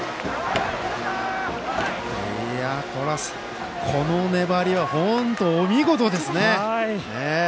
これは、この粘りは本当、お見事ですね。